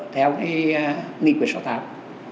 theo cái nghị quyết sáu tháng